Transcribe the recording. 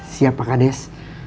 siap pak kades